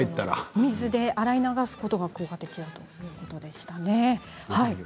水で洗い流すのが効果的だということですね。